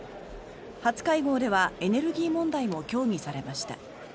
初会合ではエネルギー問題も協議されました。